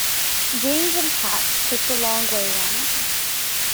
James and Pat took the long way round.